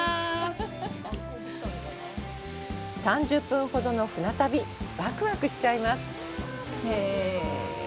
３０分ほどの舟旅、ワクワクしちゃいます。